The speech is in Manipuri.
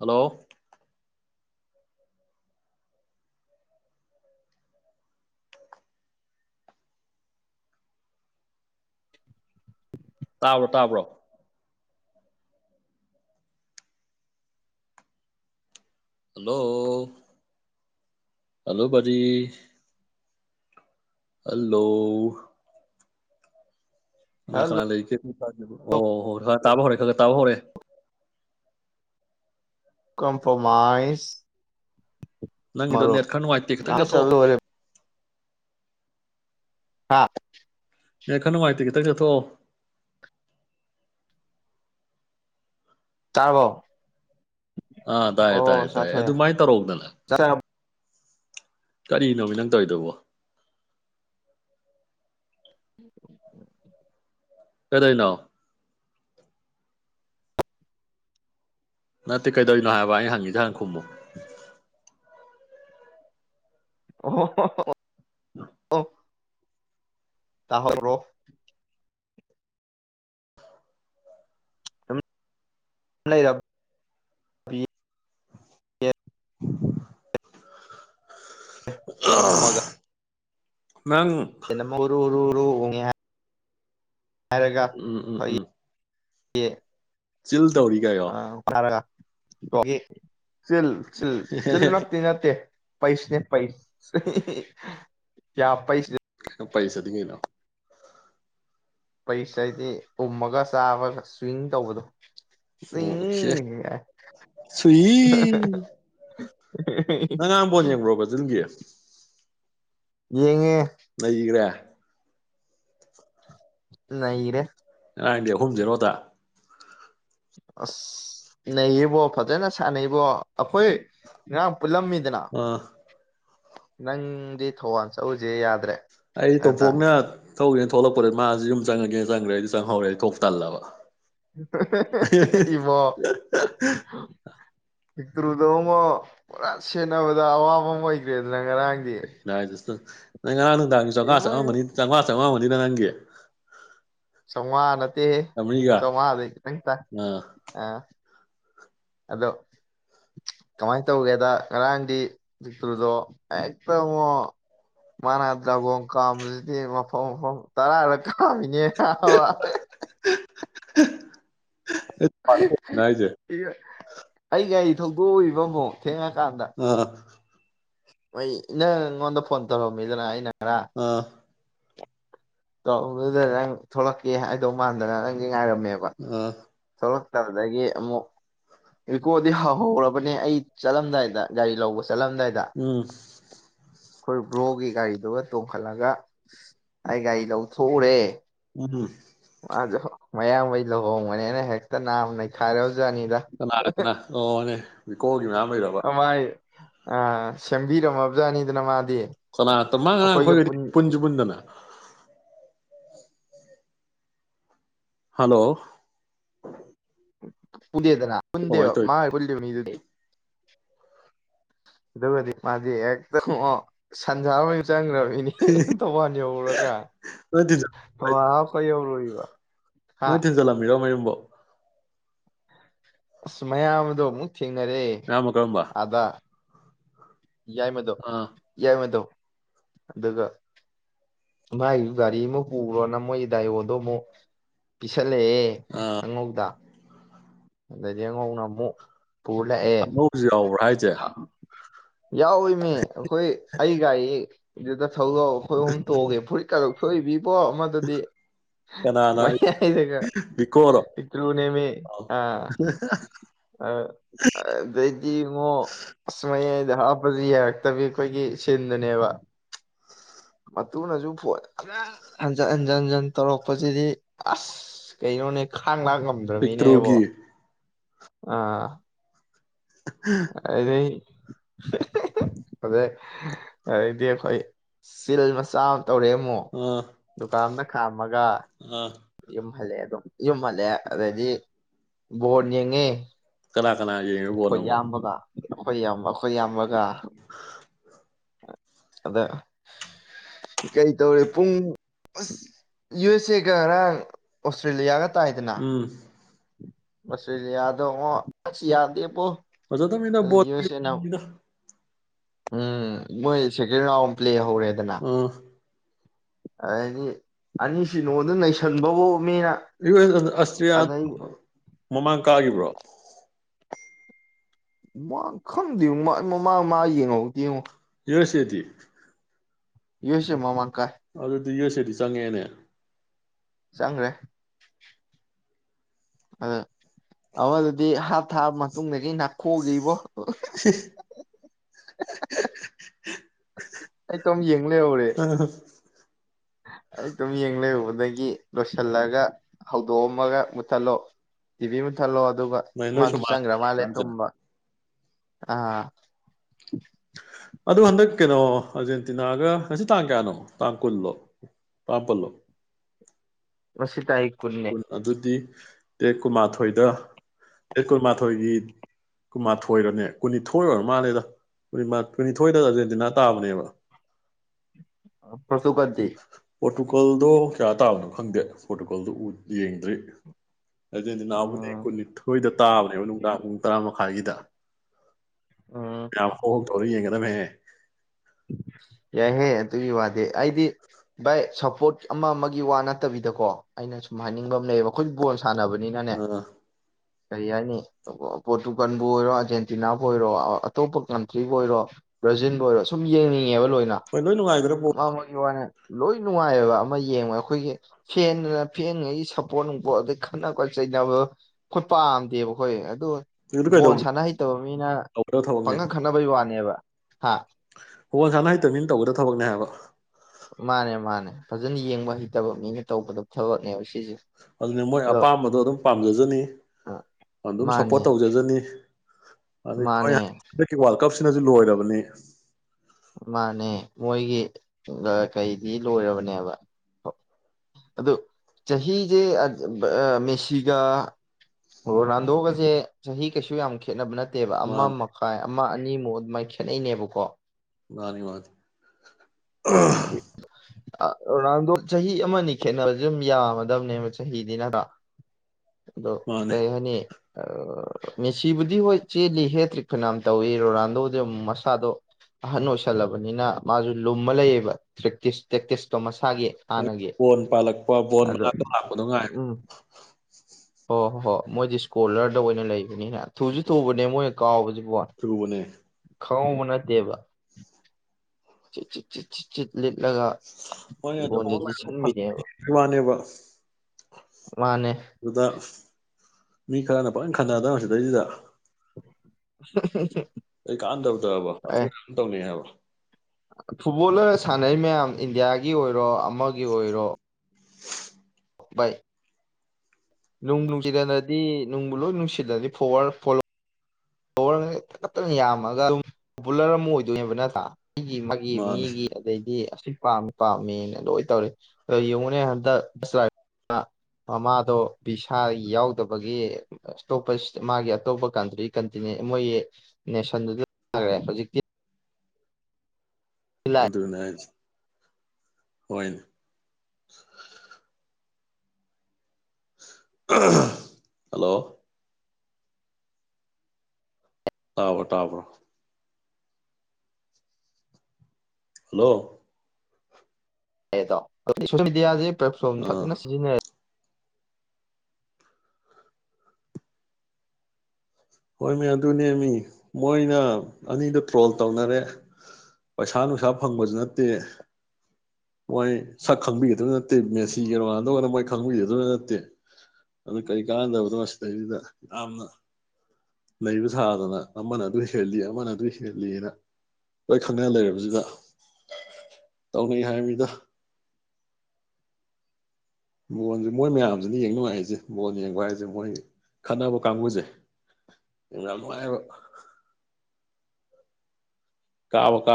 ꯍꯜꯂꯣ [unintelligible] ꯇꯥꯕ꯭ꯔꯣ ꯇꯥꯕ꯭ꯔꯣ ꯍꯜꯂꯣ ꯍꯂꯣ ꯕꯗꯤ ꯍꯜꯂꯣ ꯀꯅꯥ ꯍꯜꯂꯣ ꯀꯅꯥ ꯂꯩꯒꯦ ꯑꯣ ꯍꯣ ꯈꯔ ꯇꯥꯕ ꯍꯧꯔꯦ ꯈꯔ ꯇꯥꯕ ꯍꯧꯔꯦ ꯀꯣꯝꯄ꯭ꯔꯣꯃꯥꯏꯖ ꯅꯪꯒꯤꯗꯣ ꯅꯦꯠ ꯈꯔ ꯅꯨꯡꯉꯥꯏꯇꯦ ꯈꯤꯇꯪ ꯆꯠꯊꯣꯛꯑꯣ ꯍꯥꯥ ꯅꯦꯠ ꯈꯔ ꯅꯨꯡꯉꯥꯏꯇ ꯈꯤꯇꯪ ꯆꯠꯊꯣꯛꯑꯣ ꯇꯔꯒꯣ ꯑꯥ ꯇꯥꯏꯌꯦ ꯇꯥꯏꯌꯦ ꯇꯥꯏꯌꯦ ꯑꯗꯨꯃꯥꯏꯅ ꯇꯧꯔꯑꯣꯗꯅ ꯆꯥꯔꯕꯣ ꯀꯔꯤꯅꯣ ꯃꯤ ꯅꯪ ꯇꯧꯔꯤꯗꯧꯕꯣ ꯎꯝ ꯀꯩꯗꯧꯏꯅꯤ ꯅꯠꯇꯦ ꯀꯩꯗꯧꯔꯤꯅꯣ ꯍꯥꯏꯕ ꯑꯩ ꯍꯪꯉꯤꯗꯦ ꯍꯪ ꯈꯨꯝꯕꯨ ꯑꯣ ꯑꯣ ꯇꯍꯣꯔꯣ ꯑꯗꯨꯝ [unintelligible] ꯇꯨꯝꯃꯒ ꯅꯪ [unintelligible] [unintelligible] ꯍꯥꯏꯔꯒ ꯎꯝ ꯌꯦ ꯆꯦꯜ ꯑ ꯇꯔꯒ ꯆꯦꯜ ꯆꯜ ꯆꯜꯃꯥꯛꯇꯅꯠꯇꯦ ꯄꯩꯁꯅꯦ ꯄꯩꯁ ꯀꯌꯥ ꯄꯩꯁ ꯄꯩꯁꯥꯗꯤꯅ ꯄꯩꯁꯥ ꯍꯥꯏꯗꯤ ꯎꯝꯃꯒ ꯆꯥꯕꯒ ꯁ꯭ꯋꯤꯤꯡ ꯇꯧꯕꯗꯣ ꯑꯣ ꯆꯤꯡ ꯁꯨꯏ ꯅꯉꯥꯡꯕꯣꯟ ꯌꯦꯡꯕ꯭ꯔꯣ ꯖꯟꯒꯤ ꯌꯦꯡꯉꯦ ꯂꯩꯈ꯭ꯔꯦ ꯅꯔꯦ ꯉꯔꯥꯡꯗꯤ ꯑꯍꯨꯝꯁꯤꯔꯣꯗ ꯑꯁ ꯅꯩꯌꯦꯕꯣ ꯐꯖꯅ ꯁꯥꯟꯅꯩꯕꯣ ꯑꯩꯈꯣꯏ ꯉꯥ ꯎ ꯂꯝꯃꯤꯗꯅ ꯑꯥ ꯅꯪꯗꯤ ꯊꯧꯕꯥꯜ ꯆꯠꯎꯁꯦ ꯌꯥꯗ꯭ꯔꯦ ꯑꯩ ꯇꯣ ꯑꯗꯨꯗ ꯐꯒꯅ ꯊꯧꯒꯦꯅ ꯊꯣꯛꯂꯛꯄꯗ ꯃꯥꯁꯤ ꯌꯨꯝ ꯆꯪꯉꯒꯦꯅ ꯆꯪꯈ꯭ꯔꯦ ꯑꯩꯗꯤ ꯆꯪꯍꯧꯔꯦ ꯊꯣꯛ ꯇꯜꯂꯕ ꯏ ꯕꯣ ꯇ꯭ꯔꯨꯗꯧ ꯑꯃ ꯄꯨꯔꯥ ꯁꯦꯠꯟꯅꯕꯗ ꯑꯋꯥꯕ ꯑꯃ ꯑꯣꯏꯈ꯭ꯔꯦꯗꯅ ꯉꯔꯥꯡ ꯑꯦ ꯏꯏꯗꯨꯁꯨ ꯅꯪ ꯉꯔꯥꯡ ꯗꯥꯡꯒꯤ ꯆꯥꯝꯉꯥ ꯑꯃ ꯏꯃꯥꯏꯌꯣ ꯆꯥꯝꯃꯉꯥ ꯆꯉ ꯃꯖꯤꯗ ꯅꯪꯒꯦ ꯇꯣ ꯉꯥꯟꯅ ꯆꯃꯗ ꯅ ꯇ ꯑꯥ ꯑ ꯑꯗꯣ ꯀꯃꯥꯏꯅ ꯇꯧꯒꯦꯗ ꯉꯔꯥꯡꯗꯤ ꯆꯛꯇ꯭ꯔꯨꯗꯣ ꯍꯦꯛꯇ ꯑꯃꯨꯣ ꯃꯥꯅ ꯗ꯭ꯔꯥꯒꯣꯣꯡ ꯀꯥꯝꯕꯁꯤꯗꯤ ꯃꯐꯝ ꯃꯐꯝ ꯇꯔꯥꯔ ꯀꯥꯝꯃꯤꯅꯦ ꯍꯥꯏꯁꯦ ꯏꯒ ꯑꯩ ꯂꯝ ꯒ ꯊꯧꯗꯣ ꯑꯣꯏꯏꯕ ꯑꯃꯕꯣ ꯊꯦ ꯎꯝ ꯍ ꯅꯪ ꯑꯩꯉꯣꯟꯗ ꯐꯣꯟ ꯇꯧꯔꯛꯝꯃꯤꯗꯅ ꯑꯩꯅ ꯑꯥ ꯑꯗꯨꯗ ꯅꯪ ꯊꯣꯛꯂꯛꯀꯦ ꯍꯥꯏꯗꯧ ꯃꯥꯟꯗꯅ ꯅꯪꯒꯤ ꯉꯥꯏꯔꯝꯃꯦꯕ ꯑꯥ ꯊꯣꯛꯂꯛꯇꯕꯗ ꯒꯤ ꯑꯃꯨꯛ ꯔꯤꯀꯣꯗꯤ ꯍꯍꯧꯔꯕꯅꯦ ꯑꯩ ꯆꯠꯂꯝꯗꯥꯏꯗ ꯒꯥꯔꯤ ꯂꯧꯕ ꯑꯁꯂꯗꯏꯗ ꯎꯝ ꯑꯩꯈꯣꯏ ꯕ꯭ꯔꯣꯒꯤ ꯒꯥꯔꯤꯗꯨ ꯒ ꯇꯣꯡꯈꯠꯂꯒ ꯑꯩ ꯒꯥꯔꯤ ꯂꯧꯊꯣꯛꯎꯔꯦ ꯎ ꯃꯥꯗꯣ ꯃꯌꯥꯝꯕꯩ ꯂꯨꯍꯣꯡꯕꯅꯦꯅ ꯍꯦꯛꯇ ꯅꯥꯝ ꯅꯩꯈꯥꯏꯔ ꯍꯧ ꯀꯅꯥꯗꯅ ꯑꯣꯅꯦ ꯉꯃꯗꯕ ꯃꯥꯏ ꯑ ꯁꯦꯝꯕꯤꯔꯝꯃꯕꯖꯥꯠꯅꯤꯗꯅ ꯃꯥꯗꯤ ꯀꯅꯥꯇ ꯃꯥꯡꯉꯥꯡ ꯑꯩꯈꯣꯏꯒ ꯑꯩꯈꯣꯏꯒꯗꯤ ꯄꯨꯟꯁꯤ ꯄꯨꯟꯗꯅ ꯍꯜꯂꯣ ꯎꯝ ꯄꯨꯗꯅ ꯄꯨ ꯀꯃꯥꯏꯅ ꯇꯧꯔꯤ ꯃꯥ ꯄꯨ ꯏꯗꯒꯗꯤ ꯃꯥꯖꯤ ꯑꯦꯗ ꯁꯟꯖꯥ ꯆꯪꯈ꯭ꯔꯃꯤꯅꯦ ꯊꯧꯕꯥꯟ ꯌꯧꯔꯨꯔꯒ ꯅꯣꯏ ꯊꯤꯟꯖꯤꯟ ꯊꯧꯕꯥꯜ ꯍꯥꯞꯄ ꯌꯧꯔꯨꯏ [inaudible] ꯅꯣꯏ ꯊꯤꯟꯖꯜꯂꯝꯕꯤꯔꯣ ꯃꯌꯨꯝꯕꯣ ꯑꯁ ꯃꯌꯥꯝ ꯑꯃꯗꯣ ꯊꯦꯡꯅꯔꯦ ꯃꯌꯥꯝꯕ ꯀꯔꯝꯕ ꯑꯗ ꯌꯥꯏ ꯃꯗꯣ ꯑꯥ ꯌꯥꯏ ꯃꯗꯣ ꯑꯗꯨꯒ ꯃꯥꯏ ꯒꯥꯔꯤ ꯑꯃ ꯄꯨꯈꯔꯣꯅ ꯃꯣꯏ ꯗꯥꯏꯑꯣꯗꯣ ꯑꯃꯨꯛ ꯄ ꯆꯠꯂꯦ ꯑꯥ ꯑꯉꯧꯗ ꯑꯗꯤ ꯑꯉꯧꯅꯃꯣ ꯑꯉꯧꯕꯁꯨ ꯌꯥꯎꯕ꯭ꯔꯥ ꯍꯥꯏꯁꯦ ꯌꯥꯎꯋꯏꯅꯦ ꯑꯩꯈꯣꯏ ꯑꯩ ꯒꯥꯔꯤ ꯗ ꯊꯧꯖꯥꯎ ꯑꯩꯈꯣꯏ ꯑꯍ ꯇꯣꯡ ꯒꯦ ꯐꯨꯔꯤꯠ ꯔ ꯐꯣꯏꯕꯤ ꯏꯕꯣ ꯑꯃꯗꯨꯗꯤ ꯀꯅꯥꯅ ꯃꯌꯥ ꯍꯥꯏꯗꯒ ꯕꯤꯀꯣꯔꯣ ꯄꯤꯛꯇ꯭ꯔꯨ ꯅꯦꯝꯃꯤ ꯑ ꯑꯩꯗꯤ ꯃꯁꯃ ꯍꯥꯞꯄꯁꯨ ꯌꯥꯔꯛꯇꯕꯤ ꯑꯩꯈꯣꯏꯒꯤ ꯁꯤꯟꯗꯨꯅꯦꯕ ꯃꯇꯨꯡꯨꯅꯁꯨ ꯐꯖꯅ ꯍꯟꯖꯟ ꯍꯟꯖꯤꯟ ꯍꯟꯖꯤꯟ ꯇꯧꯔꯛꯄꯁꯤꯗꯤ ꯑꯁ ꯀꯩꯅꯣꯅꯦ ꯊꯥꯡ ꯂꯥꯡ ꯉꯝꯗ꯭ꯔꯕꯃꯤꯅꯦꯕꯣ ꯄꯤꯛꯇ꯭ꯔꯨꯒꯤ ꯑꯥ ꯑꯗꯨꯗꯤ ꯑꯩ ꯑꯗꯩꯗꯤ ꯑꯩꯈꯣꯏ ꯆꯜ ꯃꯆꯥ ꯇꯧꯔꯦ ꯑꯃꯨꯛ ꯑꯥ ꯗꯨꯀꯥꯟꯗ ꯈꯥꯝꯃꯒ ꯑꯥ ꯌꯨꯝꯍꯜꯂꯦ ꯑꯗꯨꯝ ꯌꯨꯝ ꯍꯜꯂꯦ ꯑꯗꯩꯗꯤ ꯕꯣꯔ ꯌꯦꯡꯉꯤ ꯀꯂꯛ ꯀꯅꯥꯅꯃꯣ ꯍꯣꯏ ꯌꯥꯝꯕ ꯑꯩꯈꯣꯏ ꯌꯥꯝꯕꯒ ꯑꯗ ꯀꯔꯤ ꯇꯧꯔꯦ ꯄꯨꯡ ꯑꯁ ꯌꯨ ꯑꯦꯁ ꯑꯦꯒꯔꯥꯡ ꯑꯣꯁꯇ꯭ꯔꯦꯂꯤꯌꯥꯒ ꯎꯝ ꯁ ꯌꯥꯗꯉ ꯌꯥꯗ ꯄꯣ ꯐꯖ ꯃꯣ ꯎꯝꯣꯏ ꯁꯦ ꯄ꯭ꯂ ꯍꯧꯔꯦꯗꯅ ꯑꯥ ꯍꯥꯏꯗꯤ ꯑꯅꯤꯁꯤ ꯅꯉꯣꯟꯗ ꯅꯩꯁꯟꯕꯕꯨ ꯃꯤꯅ ꯌꯨ ꯑꯦꯁ ꯑꯁꯇ꯭ꯔꯤꯌꯥ ꯑꯗꯩ ꯃꯃꯥꯡ ꯀꯥꯈꯤꯕ꯭ꯔꯣ ꯃꯥ ꯈꯪꯗꯦ ꯃꯃꯥꯡ ꯃꯥ ꯌꯦꯡꯉꯧꯗꯤ ꯌꯦꯡꯉꯣ ꯌꯔꯁꯦꯗꯤ ꯌꯁꯦ ꯃꯃꯥꯟ ꯑꯗꯨ ꯑꯗꯨ ꯌꯣꯁꯔꯤꯁ ꯆꯪꯉꯦꯅ ꯆꯪꯈ꯭ꯔꯦ ꯑ ꯑ ꯑꯗꯨꯗꯤ ꯍꯥꯞ ꯊꯥꯕ ꯃꯇꯨꯡꯗꯒꯤ ꯅꯥꯈꯣꯛꯑꯒ ꯏꯕꯣ ꯑꯣ ꯍ ꯑꯩꯣꯝ ꯌꯦꯡ ꯑ ꯑꯩ ꯑꯗꯨꯝ ꯌꯦꯡ ꯂꯩꯔꯨꯕꯗꯒꯤ ꯂꯣꯏꯁꯤꯜꯂꯒ ꯍꯧꯗꯣꯛꯑꯝꯃꯒ ꯃꯨꯠꯊꯠꯂꯣ ꯇꯤꯚꯤ ꯃꯨꯠꯊꯠꯂꯣ ꯑꯗꯨꯒ ꯅꯣꯏ ꯅꯣꯏꯁꯨ ꯃꯥꯁꯨ ꯆꯪꯈ꯭ꯔ ꯃꯥꯜꯂꯦ ꯃꯥꯡꯉꯦ ꯇꯨꯝꯕ ꯑꯥ ꯑꯗꯨ ꯍꯟꯗꯛ ꯀꯩꯅꯣ ꯑꯥꯔꯖꯦꯟꯇꯤꯅꯥꯒ ꯉꯁꯤ ꯇꯥꯡ ꯀꯌꯥꯅꯣ ꯇꯥꯡ ꯀꯨꯜꯂꯣ ꯇꯥꯡꯄꯜꯂꯣ ꯃꯁꯤꯁꯤ ꯇꯥꯏ ꯑꯗꯨꯗꯤ ꯇꯦꯠ ꯀꯨꯟꯃꯥꯊꯣꯏꯗ ꯇꯦꯠ ꯀꯨꯟꯃꯥꯊꯣꯏꯒꯤ ꯀꯨꯟꯃꯥꯊꯣꯏꯔꯅꯦ ꯀꯨꯟꯅꯤꯊꯣꯏ ꯑꯣꯏꯔ ꯃꯥꯜꯂꯗ ꯀꯨꯟꯅꯤꯊꯣꯏꯗ ꯑꯥꯔꯖꯦꯟꯇꯤꯅꯥ ꯇꯥꯕꯅꯦꯕ ꯑ ꯄꯁꯄꯗꯤ ꯄꯣꯔꯇꯨꯒꯜꯗꯣ ꯀꯌꯥ ꯇꯥꯕꯅꯣ ꯈꯪꯗꯦ ꯄꯣꯔꯇꯨꯒꯜꯗꯨ ꯎ ꯌꯦꯡꯗ꯭ꯔꯤ ꯑꯗꯨ ꯅꯅꯥꯎꯕꯨꯗꯤ ꯎꯝ ꯀꯨꯟꯅꯤꯊꯣꯏꯗ ꯇꯥꯕꯅꯦꯕ ꯅꯨꯡꯗꯥꯡ ꯄꯨꯡ ꯇꯔꯥꯃꯥ ꯍꯥꯏꯒꯤꯗ ꯎꯝ ꯣ ꯇꯧꯔꯔꯤ ꯌꯦ ꯀꯗꯝ [inaudible] ꯌꯥꯏ ꯍꯦ ꯇꯨꯒꯤ ꯋꯥꯗꯦ ꯑꯩꯗꯤ ꯏ ꯁ ꯄꯣꯠ ꯑꯃ ꯑꯃꯒꯤ ꯋꯥ ꯅꯠꯇꯕꯤꯗꯀꯣ ꯑꯩꯅ ꯁꯨꯝ ꯍꯥꯏꯅꯤꯡꯕ ꯑꯃ ꯂꯩꯌꯦꯕ ꯑꯩꯈꯣꯏ ꯣꯟ ꯁꯥꯟꯅꯕꯅꯤꯅꯅꯦ ꯑꯥ ꯀꯔꯤ ꯍꯥꯏꯅꯤ ꯄꯣꯔꯇꯨꯒꯥꯟꯕꯨ ꯑꯣꯏꯔꯣ ꯑꯥꯔꯖꯦꯟꯇꯤꯅꯥꯕꯨ ꯑꯣꯏꯔꯣ ꯑꯇꯣꯞꯄ ꯀꯟꯇ꯭ꯔꯤꯕꯨꯕꯨ ꯑꯣꯏꯔꯣ ꯕ꯭ꯔꯥꯖꯤꯟꯕꯨ ꯑꯣꯏꯔꯣ ꯁꯨꯟꯦ [unintelligible] ꯉꯕ ꯂꯣꯏꯅ ꯍꯣꯏ ꯂꯣꯏ ꯅꯨꯡꯉꯥꯏꯒꯗ꯭ꯔ ꯕꯣꯜ ꯑꯃ ꯑꯃꯒꯤ ꯋꯥꯅꯦ ꯂꯣꯏ ꯅꯨꯡꯉꯥꯏꯑꯕ ꯑꯃ ꯌꯦꯡꯕ ꯑꯩꯈꯣꯏꯒꯤ ꯐꯦꯟꯗꯅ ꯐꯦꯡꯉꯩꯒꯤ ꯁꯞꯄꯣꯔꯠ ꯅꯨꯡꯄꯣꯠ ꯑꯗꯩ ꯈꯠ ꯈ ꯆꯩꯅꯕ ꯈꯨꯠ ꯄꯥꯝꯗꯦꯕ ꯑꯩꯈꯣꯏ ꯑꯗ ꯑꯗꯨ ꯕꯣꯜ ꯀꯩꯗꯧꯕ ꯁꯥꯟꯅ ꯍꯩꯇꯕ ꯃꯤꯅ ꯇꯧꯒꯗꯕ ꯊꯕꯛꯅꯤ ꯄꯪꯅ ꯈꯠꯅꯕꯩ ꯋꯥꯅꯦꯕ ꯍꯥ ꯍꯣꯏ ꯅꯟꯁꯥꯅ ꯍꯩꯇꯕꯅꯤꯅ ꯇꯧꯒꯗ ꯊꯕꯛꯅꯦ ꯍꯥꯏꯕ ꯃꯥꯅꯦ ꯃꯥꯅꯦ ꯐꯖꯅ ꯌꯦꯡꯕ ꯍꯩꯇꯕ ꯃꯤꯅ ꯇꯧꯕꯗ ꯊꯕꯛꯅꯦ ꯑ ꯗꯨꯅ ꯃꯣꯏ ꯑꯄꯥꯝꯕꯗꯣ ꯑꯗꯨꯝ ꯄꯥꯝꯖꯖꯅꯤ ꯑ, ꯑꯗꯨꯝ ꯃꯥꯅꯦ ꯁꯞꯄꯣꯔꯠ ꯇꯧꯖꯖꯅꯤ ꯑꯗꯨ ꯃꯥꯅꯦ ꯍꯟꯗꯛꯀꯤ ꯋꯥ ꯀ ꯁꯤꯅꯁꯨ ꯂꯣꯏꯔꯕꯅꯤ ꯃꯥꯅꯦ ꯃꯣꯏꯒꯤ ꯀꯩꯗꯤ ꯂꯣꯏꯔꯕꯅꯦꯕ ꯑꯗ ꯆꯍꯤꯁꯦ ꯃꯦꯁꯤꯒ ꯑꯣ ꯂꯅꯥꯟꯗꯣꯛꯑꯒꯁꯦ ꯆꯍꯤ ꯀꯩꯁꯨ ꯌꯥꯝ ꯈꯦꯠꯅꯕ ꯅꯠꯇꯦ ꯠꯇꯦꯕ ꯑꯃ ꯃꯥꯅꯤ ꯃꯈꯥꯏ ꯑꯃ ꯑꯅꯤꯃꯨꯛ ꯑꯗꯨꯃꯥꯏꯅ ꯈꯦꯠꯅꯩꯅꯦꯕꯀꯣ ꯃꯥꯅꯤ ꯃꯥꯗꯤ ꯑꯥ ꯍꯥꯏꯗꯤ ꯔꯣꯅꯥꯜꯗꯣ ꯆꯍꯤ ꯑꯃꯅꯤ ꯈꯦꯠꯅꯕꯁꯦ ꯑꯗꯨꯝ ꯌꯥꯝꯃꯗꯕꯅꯦꯕ ꯆꯍꯤꯗꯤ ꯅꯠꯇ꯭ꯔ ꯗꯣ ꯃꯥꯅꯤ ꯀꯩ ꯍꯥꯏꯅꯤ ꯃꯦꯁꯤꯕꯨꯗꯤ ꯍꯣꯏ ꯆꯦꯜꯂꯤ ꯍꯦ ꯇ꯭ꯔꯤꯛ ꯐꯅꯝ ꯇꯧꯏ ꯔꯣꯅꯥꯜꯗꯣꯗꯨ ꯃꯁꯥꯗꯣ ꯑꯍꯟ ꯑꯣꯏꯁꯜꯂꯕꯅꯤꯅ ꯃꯥꯁꯨ ꯂꯨꯝꯕ ꯂꯩꯌꯦꯕ ꯭ꯔ ꯕꯣꯟ ꯄꯥꯜꯂꯛꯄ ꯕꯣꯟ ꯑꯗꯣ ꯃꯅꯥꯛꯇ ꯂꯥꯛꯄꯗꯉꯥꯏ ꯑꯣꯣꯏ ꯍꯣꯏ ꯍꯣꯏ ꯃꯣꯏꯗꯤ ꯁ꯭ꯀꯣꯂꯔꯗ ꯑꯣꯏꯅ ꯂꯩ ꯊꯨꯁꯨ ꯊꯨꯕꯅꯦ ꯃꯣꯏꯅ ꯀꯥꯎꯕ ꯊꯒꯕꯅꯦ ꯈꯕ ꯅꯠꯇꯦꯕ ꯠ [unintelligible] ꯂꯤꯠꯂꯒ ꯍꯣꯏ ꯕꯣꯟꯗ ꯑꯗꯨꯒꯨꯝꯕ ꯃꯌꯥꯝ ꯐꯖꯕꯒꯤ ꯆꯁꯟꯕꯤꯅꯦꯕ ꯋꯥꯅꯦꯕ ꯃꯥꯅꯦ ꯑꯗꯨꯗ ꯃꯤ ꯈꯔꯅ ꯄꯅ ꯈꯟꯅꯗꯕ ꯁꯤꯗꯩꯁꯤꯗ [inaudible] ꯀꯩ ꯀꯥꯟꯅꯗꯕꯗ ꯋꯥꯊꯤ ꯋꯥꯔꯦꯝ ꯇꯧꯅꯩ ꯍꯥꯏꯕ ꯐꯨꯠꯕꯣꯜꯂꯔ ꯁꯥꯟꯅꯩ ꯃꯌꯥꯝ ꯏꯟꯗꯤꯌꯥꯒꯤ ꯑꯣꯏꯔꯣ ꯑꯃꯒꯤ ꯑꯣꯏꯔꯣ ꯕꯥꯏ ꯅꯨꯡ ꯅꯨꯡꯁꯤꯗꯅꯗꯤ ꯅꯨꯡꯕꯨ ꯂꯣꯏ ꯅꯨꯡꯁꯤꯅꯗꯤ ꯐꯣꯔꯋꯥꯔ ꯐꯣ ꯐꯣꯂꯣꯋꯔ ꯇꯈꯠꯇꯅ ꯌꯥꯝꯃꯒ ꯑꯗꯨꯝ ꯄꯣꯄꯨꯂꯔ ꯑꯃ ꯑꯣꯏꯗꯣꯏꯅꯦꯕ ꯅꯠꯇ꯭ꯔꯥ ꯑꯩꯒꯤ ꯃꯥꯒꯤ ꯃꯥꯅꯦ ꯃꯤꯒꯤ ꯑꯗꯩꯗꯤ ꯁꯤ ꯄꯥꯝꯃꯤ ꯄꯥꯝꯃꯦꯅ ꯂꯣꯏꯅ ꯇꯧꯔꯤ ꯑꯗꯣ ꯌꯦꯡꯉꯨꯅꯦ ꯍꯟꯗꯛ ꯕꯁ ꯗ꯭ꯔꯥꯏꯚꯔ ꯃꯃꯥꯗꯣ ꯕꯤꯁꯥ ꯌꯥꯎꯗꯕꯒꯤ ꯑꯇꯣꯞꯄ ꯃꯥꯒꯤ ꯑꯇꯣꯞꯄ ꯀꯟꯇ꯭ꯔꯤ ꯀꯟꯇꯤꯅꯦꯟ ꯃꯣꯏꯒꯤ ꯅꯦꯁꯟꯗꯨꯗꯈ꯭ꯔꯦ ꯍꯧꯖꯤꯛꯇꯤ ꯑꯗꯨꯟꯅꯦ ꯍꯥꯏꯁꯤ ꯍꯣꯏ ꯍꯜꯂꯣ ꯇꯥꯕꯣ ꯇꯥꯕ꯭ꯔꯣ ꯍꯜꯂꯣ [unintelligible] ꯄ꯭ꯂꯦꯠꯐꯣꯝ ꯑꯥ ꯐꯖꯅ ꯁꯤꯖꯤꯟꯅꯔꯦ ꯍꯣꯏ ꯃꯤ ꯑꯗꯨꯅꯦ ꯃꯤ ꯃꯣꯏꯅ ꯑꯅꯤꯗ ꯇ꯭ꯔꯣꯜ ꯇꯧꯅꯔꯦ ꯄꯩꯁꯥ ꯅꯨꯡꯁꯥ ꯐꯪꯕꯁꯨ ꯅꯠꯇꯦ ꯃꯣꯏ ꯁꯛ ꯈꯪꯕꯤꯒꯗꯕ ꯅꯠꯇꯦ ꯃꯦꯁꯤꯒ ꯔꯣꯅꯥꯟꯗꯣꯒꯅ ꯃꯣꯏ ꯈꯪꯕꯤꯒꯗꯕ ꯅꯠꯇꯦ ꯑꯗꯨ ꯀꯔꯤ ꯀꯥꯟꯅꯗꯕꯗꯣ ꯁꯤꯗꯩꯁꯤꯗ ꯌꯥꯝꯅ ꯂꯩꯕ ꯁꯥꯗꯅ ꯑꯃꯅ ꯑꯗꯨ ꯍꯦꯜꯂꯤ ꯑꯃꯅ ꯑꯗꯨ ꯍꯦꯜꯂꯤꯅ ꯂꯣꯏ ꯈꯪꯅ ꯂꯩꯔꯕꯁꯤꯗ ꯇꯧꯅꯩ ꯍꯥꯏꯃꯤꯗ ꯕꯣꯟꯁꯦ ꯃꯣꯏ ꯃꯌꯥꯝꯁꯤꯅ ꯌꯦꯡ ꯅꯨꯡꯉꯥꯏꯁꯦ ꯕꯣꯟ ꯌꯦꯡꯕ ꯍꯥꯏꯁꯦ ꯃꯣꯏ ꯈꯠꯅꯕ ꯀꯥꯡꯕꯨꯁꯦ ꯌꯥꯝ ꯅꯨꯡꯉꯥꯏꯕ ꯀꯥꯕ ꯀꯥ